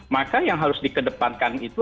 maka yang harus dikedepankan itu